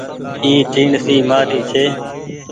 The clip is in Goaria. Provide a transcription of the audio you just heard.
اي ٽيڻسي مآري ڇي۔